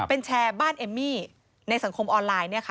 เป็นแชร์บ้านเอมมี่ในสังคมออนไลน์